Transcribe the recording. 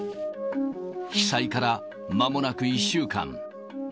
被災からまもなく１週間。